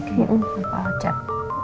udah telepon papa chat